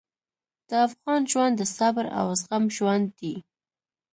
د افغان ژوند د صبر او زغم ژوند دی.